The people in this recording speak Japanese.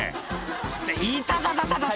って、いたたたた！